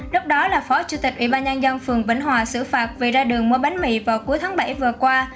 lúc đó là phó chủ tịch ủy ban nhân dân phường vĩnh hòa xử phạt vì ra đường mua bánh mì vào cuối tháng bảy vừa qua